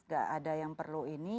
gak ada yang perlu ini